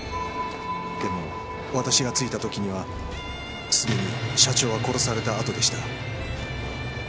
でも私が着いた時にはすでに社長は殺されたあとでした。